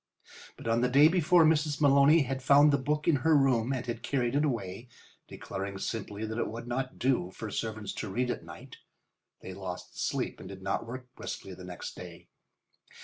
But on the day before Mrs. Maloney had found the book in her room and had carried it away, declaring sharply that it would not do for servants to read at night; they lost sleep and did not work briskly the next day.